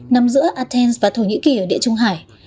nằm giữa athens và thổ nhĩ kỳ ở địa trung hải